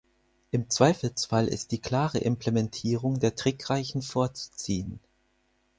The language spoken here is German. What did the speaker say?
Im Zweifelsfall ist die klare Implementierung der trickreichen vorzuziehen.